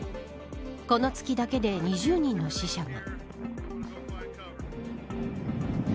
この月だけで２０人の死者が。